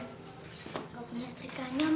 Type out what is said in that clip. gak punya setrikanya mas